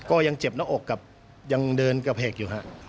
ก็ยังเจ็บหน้าอกกับยังเดินกระเพกอยู่ฮะ